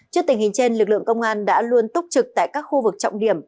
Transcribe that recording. trước tình hình trên lực lượng công an đã luôn túc trực tại các khu vực trọng điểm